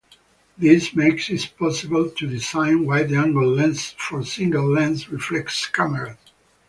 This makes it possible to design wide-angle lenses for single-lens reflex cameras.